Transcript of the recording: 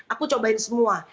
aku cobain semua